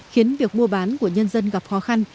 khiến việc mua bán của nhân dân gặp khó khăn